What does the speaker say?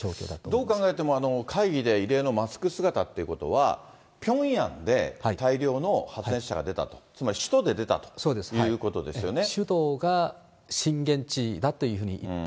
どう考えても、会議で異例のマスク姿っていうことは、ピョンヤンで大量の発熱者が出たと、つまり首都で出たということそうですね。